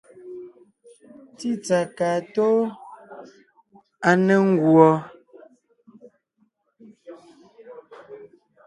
Tsítsà kaa tóo, à ne ńguɔ.